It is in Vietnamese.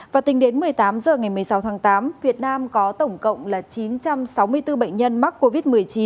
và tính đến một mươi tám h ngày một mươi sáu tháng tám việt nam có tổng cộng là chín trăm sáu mươi bốn bệnh nhân mắc covid một mươi chín